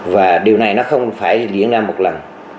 và điều này nó không phải diễn ra một lần